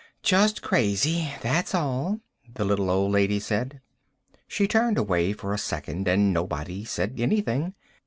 "Just crazy, that's all," the little old lady said. She turned away for a second and nobody said anything.